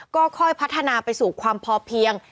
ก็ค่อยพัฒนาไปสู่ความพอเพียง